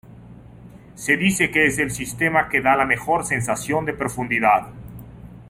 Se dice que es el sistema que da la mejor sensación de profundidad.